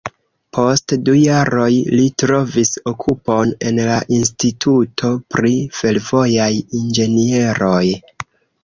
Post du jaroj, li trovis okupon en la Instituto pri Fervojaj Inĝenieroj.